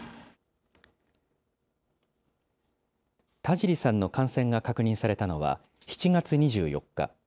田尻さんの感染が確認されたのは、７月２４日。